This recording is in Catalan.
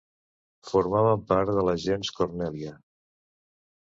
Formaven part de la gens Cornèlia.